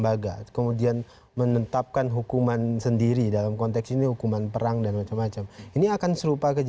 baru kemudian kita berhak untuk mengatakan dia koruptor